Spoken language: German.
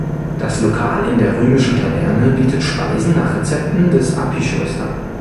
Das Lokal in der römischen Taverne bietet Speisen nach Rezepten des Apicius an.